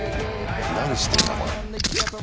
何してんだこれ。